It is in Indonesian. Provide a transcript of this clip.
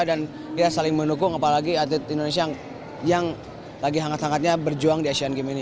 dan kita saling mendukung apalagi atlet indonesia yang lagi hangat hangatnya berjuang di asian games ini